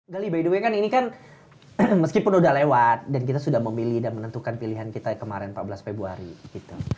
gully by the way kan ini kan meskipun udah lewat dan kita sudah memilih dan menentukan pilihan kita kemarin empat belas februari gitu